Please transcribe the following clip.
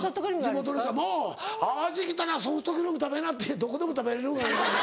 地元の人が「もう淡路来たらソフトクリーム食べな」ってどこでも食べれる。